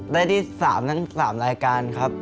ได้ที่๓ทั้ง๓รายการครับ